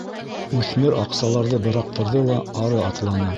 Үҫмер аҡсаларҙы быраҡтырҙы ла ары атланы.